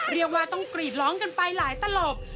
เรียกว่าต้องกรีดร้องกันไปหลายตลก